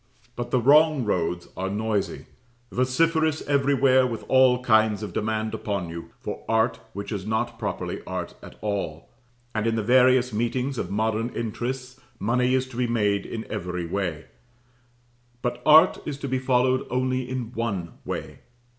But the wrong roads are noisy, vociferous everywhere with all kinds of demand upon you for art which is not properly art at all; and in the various meetings of modern interests, money is to be made in every way; but art is to be followed only in one way.